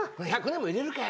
１００年もいれるかよ